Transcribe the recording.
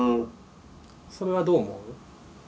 それはどう思う？